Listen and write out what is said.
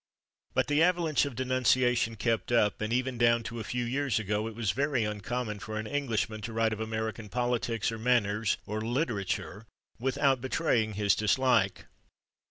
But the avalanche of denunciation kept up, and even down to a few years ago it was very uncommon for an Englishman to write of American politics, or manners, or literature without betraying his dislike.